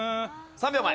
３秒前。